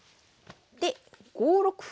で５六歩。